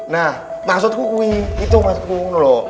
nah maksudku wih itu maksudku nolok